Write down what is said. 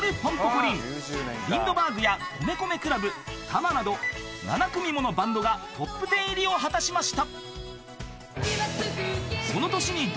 ［ＬＩＮＤＢＥＲＧや米米ＣＬＵＢたまなど７組ものバンドがトップ１０入りを果たしました］